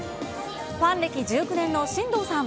ファン歴１９年の新藤さん。